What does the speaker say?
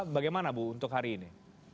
bagaimana bu untuk hari ini